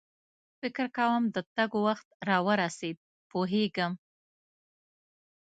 فکر کوم د تګ وخت را ورسېد، پوهېږم.